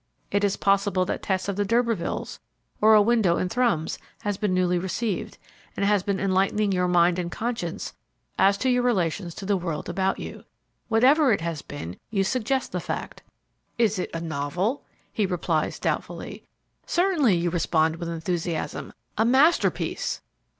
It is possible that "Tess of the Durbervilles," or "A Window in Thrums" has been newly received, and has been enlightening your mind and conscience as to your relations to the world about you. Whatever it has been, you suggest the fact. "It is a novel?" He replies doubtfully: "Certainly," you respond with enthusiasm. "A masterpiece."